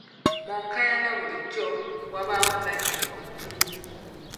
Mu nkaayana bulijjo wabaawo nnannyini omutuufu.